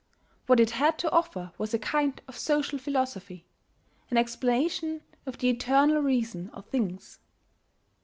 What it had to offer was a kind of social philosophy, an explanation of the eternal reason of things.